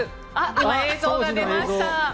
今、映像が出ました。